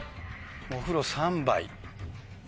お風呂３杯。